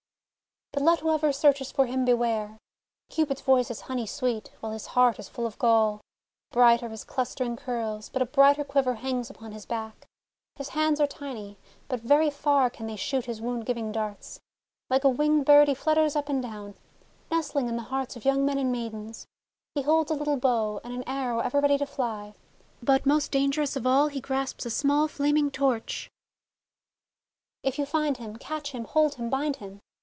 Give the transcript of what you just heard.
"But let whoever searches for him beware! Cupid's voice is honey sweet, while his heart is full of gall ! Bright are his clustering curls, but a brighter quiver hangs upon his back. His hands are tiny, but very far can they shoot his wound giving darts. Like a winged bird he flutters up and down, nestling in the hearts of young men and maidens. He holds a little bow, and an arrow ever ready to fly; but most dangerous of all he grasps a small blazing torch. "If you find him, catch him, hold him, bind him!